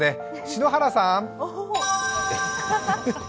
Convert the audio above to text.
篠原さん。